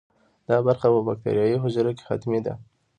دا برخه په باکتریايي حجره کې حتمي ده.